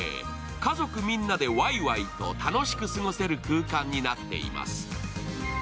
家族みんなでワイワイと楽しく過ごせる空間になっています。